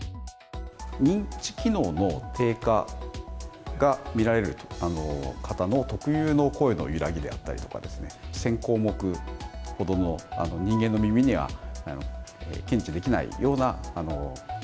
認知機能の低下が見られる方の特有の声の揺らぎであったりとかですね、１０００項目ほどの人間の耳には検知できないようなチ